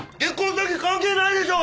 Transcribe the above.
詐欺関係ないでしょう！